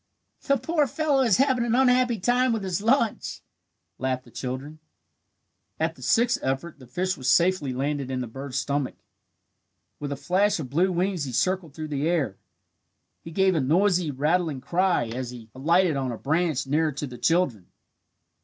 "The poor fellow is having an unhappy time with his lunch," laughed the children. At the sixth effort the fish was safely landed in the bird's stomach. With a flash of blue wings he circled through the air. He gave a noisy rattling cry as he alighted on a branch nearer to the children.